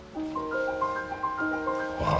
ああ！